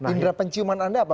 indra penciuman anda apa